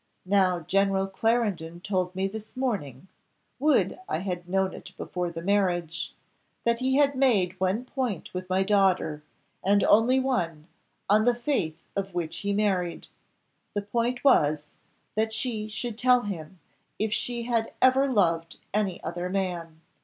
Now General Clarendon told me this morning would I had known it before the marriage! that he had made one point with my daughter, and only one, on the faith of which he married: the point was, that she should tell him, if she had ever loved any other man.